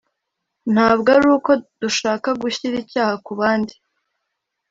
Ntabwo ari uko dushaka gushyira icyaha ku bandi